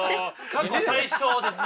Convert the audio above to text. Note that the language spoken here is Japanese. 過去最少ですねこれは。